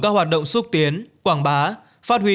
các hoạt động xúc tiến quảng bá phát huy